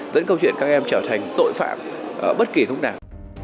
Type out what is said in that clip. dẫn câu chuyện các em trở thành tội phạm bất kỳ lúc nào